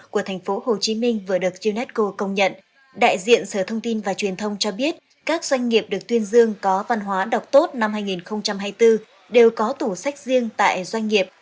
các doanh nghiệp được tuyên dương có văn hóa đọc tốt năm hai nghìn hai mươi bốn đều có tủ sách riêng tại doanh nghiệp